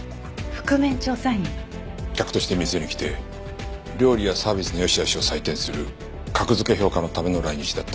客として店に来て料理やサービスの良しあしを採点する格付け評価のための来日だった。